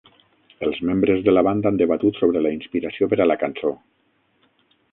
Els membres de la banda han debatut sobre la inspiració per a la cançó.